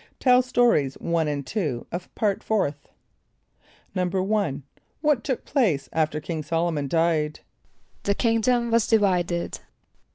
(Tell Stories 1 and 2 of Part Fourth.) =1.= What took place after King S[)o]l´o mon died? =The kingdom was divided.